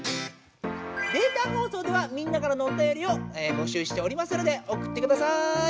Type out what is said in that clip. データ放送ではみんなからのおたよりを募集しておりますのでおくってください。